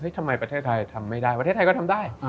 ทำไมประเทศไทยทำไม่ได้ประเทศไทยก็ทำได้